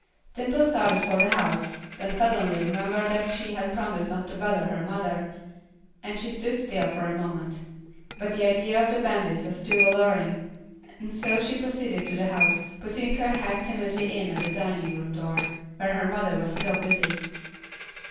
Dimple started for the house; then suddenly remembered that she had promised not to bother her mother, and she stood still for a moment. But the idea of the bandits was too alluring, and so she proceeded to the house, putting her head timidly in at the dining room door, where her mother was still busy.